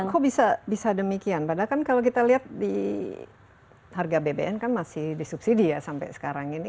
kok bisa demikian padahal kan kalau kita lihat di harga bbm kan masih disubsidi ya sampai sekarang ini